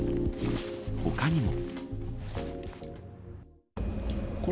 他にも。